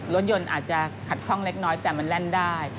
รถยนต์อาจจะขัดข้องเล็กน้อยแต่มันแล่นได้